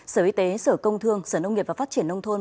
sở y tế sở công thương sở nông nghiệp và phát triển nông thôn